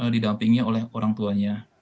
didampingi oleh orang tuanya